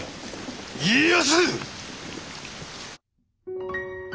家康！